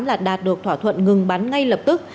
là đạt được thỏa thuận ngừng bắn ngay lập tức